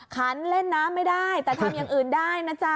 ขันเล่นน้ำไม่ได้แต่ทำอย่างอื่นได้นะจ๊ะ